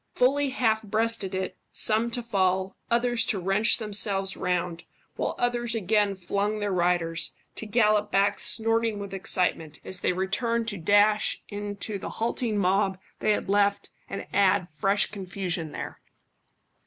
Fully half breasted it, some to fall, others to wrench themselves round, while others again flung their riders, to gallop back snorting with excitement, as they returned to dash into the halting mob they had left and add fresh confusion there.